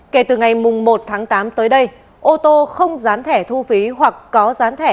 kể từ ngày một tháng tám tới đây ô tô không dán thẻ thu phí hoặc có gián thẻ